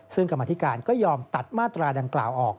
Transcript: ซึ่งกรรมธิการก็ยอมตัดมาตราดังกล่าวออก